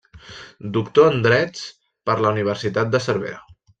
Doctor en drets per la Universitat de Cervera.